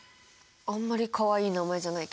あんまりかわいい名前じゃないけどはい。